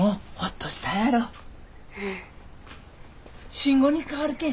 信吾に代わるけん。